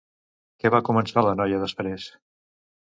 Què va començar la noia després?